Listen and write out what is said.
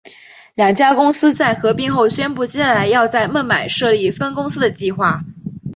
两家公司在合并后宣布接下来要在孟买设立分公司的计划。